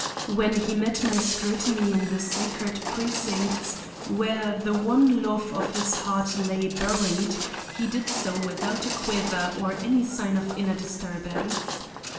When he met my scrutiny in the sacred precincts where the one love of his heart lay buried, he did so without a quiver or any sign of inner disturbance.